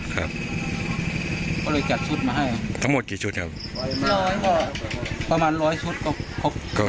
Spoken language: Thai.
ครับก็เลยจัดชุดมาให้ทั้งหมดกี่ชุดครับประมาณร้อยชุดก็ครบ